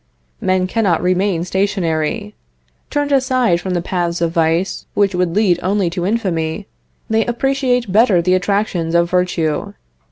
Men cannot remain stationary. Turned aside from the paths of vice which would lead only to infamy, they appreciate better the attractions of virtue.